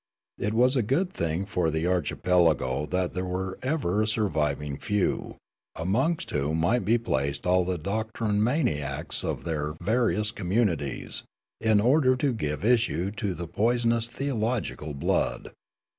It was a good thing for the archi pelago that there were ever a surviving few, amongst whom might be placed all the doctrinomaniacs of their Coxuria ,27 various communities, in order to give issue to the pois onous theological blood.